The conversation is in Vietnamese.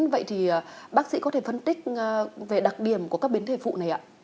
vậy thì bác sĩ có thể phân tích về đặc điểm của các biến thể phụ này ạ